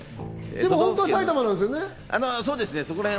本当は埼玉なんですよね、出身。